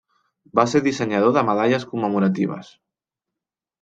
Va ser dissenyador de medalles commemoratives.